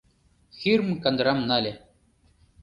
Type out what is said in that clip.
Хирм кандырам нале.